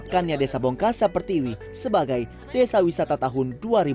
pembangunannya desa bung krasa pertiwi sebagai desa wisata tahun dua ribu sepuluh